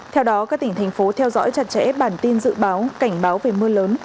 theo đó các tỉnh thành phố theo dõi chặt chẽ bản tin dự báo cảnh báo về mưa lớn